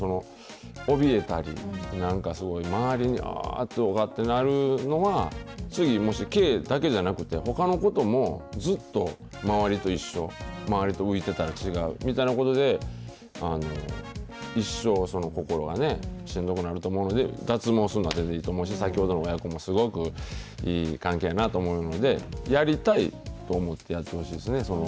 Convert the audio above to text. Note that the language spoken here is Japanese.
おびえたり、なんかすごい周りにわーっとかなるのは、次もし毛だけじゃなくて、ほかのこともずっと、周りと一緒、周りと浮いてたら違うみたいなことで、一生その心がね、しんどくなると思うので、脱毛すんのは全然いいと思うし、先ほどの親子もすごくいい関係やなと思うので、やりたいと思ってやってほしいですね。